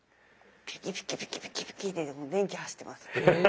ピキピキピキピキピキッて電気走ってます。